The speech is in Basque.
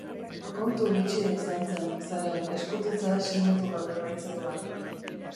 Kontu bitxia izan zen, zeren eskutitza sinatu gabe baitzegoen.